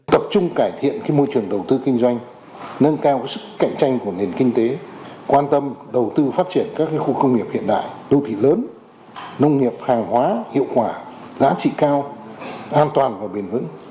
tập trung cải thiện môi trường đầu tư kinh doanh nâng cao sức cạnh tranh của nền kinh tế quan tâm đầu tư phát triển các khu công nghiệp hiện đại đô thị lớn nông nghiệp hàng hóa hiệu quả giá trị cao an toàn và bền vững